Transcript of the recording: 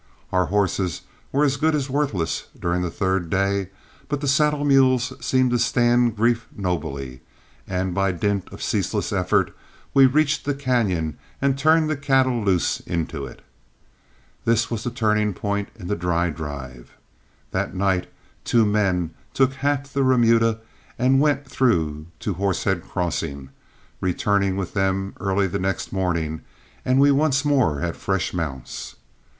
Our horses were as good as worthless during the third day, but the saddle mules seemed to stand grief nobly, and by dint of ceaseless effort we reached the cañon and turned the cattle loose into it. This was the turning point in the dry drive. That night two men took half the remuda and went through to Horsehead Crossing, returning with them early the next morning, and we once more had fresh mounts.